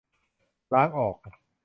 ล้างออก